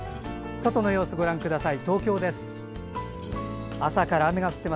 外の様子をご覧ください。